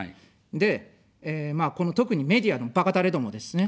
で、この特にメディアのばかたれどもですね。